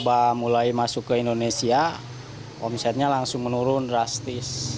setelah mulai masuk ke indonesia omsetnya langsung menurun drastis